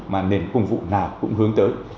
mà nền công vụ nào cũng hướng tới